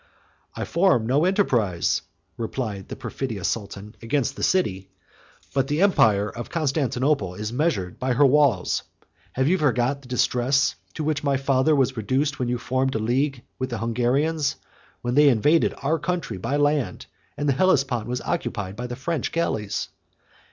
"I form no enterprise," replied the perfidious sultan, "against the city; but the empire of Constantinople is measured by her walls. Have you forgot the distress to which my father was reduced when you formed a league with the Hungarians; when they invaded our country by land, and the Hellespont was occupied by the French galleys?